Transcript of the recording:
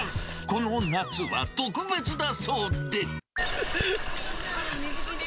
この夏は特別だそうで。